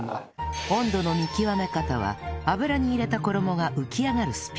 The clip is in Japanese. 温度の見極め方は油に入れた衣が浮き上がるスピード